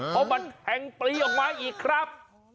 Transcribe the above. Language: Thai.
เพราะมันแทงปลีออกมาอีกครับ